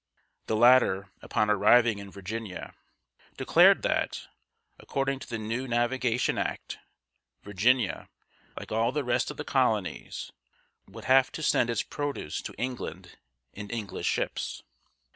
The latter, upon arriving in Virginia, declared that, according to the new Navigation Act, Virginia, like all the rest of the colonies, would have to send its produce to England in English ships.